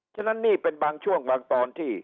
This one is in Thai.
ฉะนั้นนี่เป็นบางช่วงบางตอนที่